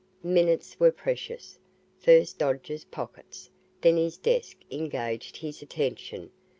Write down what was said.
Minutes were precious. First Dodge's pockets, then his desk engaged his attention.